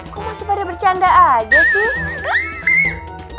kok masih pada bercanda aja sih